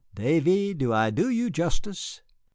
Davy, do I do you justice?"